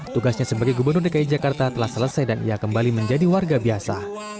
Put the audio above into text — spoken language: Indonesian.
tugasnya sebagai gubernur dki jakarta telah selesai dan ia kembali menjadi warga biasa